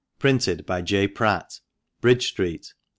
Printed by J. PRATT, Bridge Street, 1827."